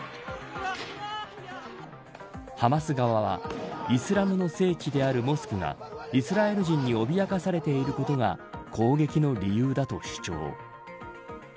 ハマス側はイスラムの聖地であるモスクがイスラエル人に脅かされていることが攻撃の理由だと主張。